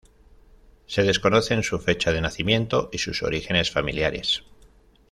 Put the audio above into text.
Se desconocen su fecha de nacimiento y sus orígenes familiares.